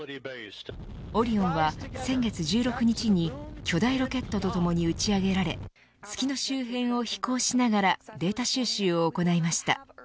オリオンは先月１６日に巨大ロケットとともに打ち上げられ月の周辺を飛行しながらデータ収集を行いました。